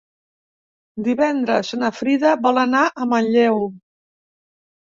Divendres na Frida vol anar a Manlleu.